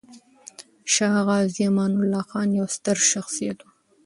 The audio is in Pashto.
شاه غازي امان الله خان يو ستر شخصيت و.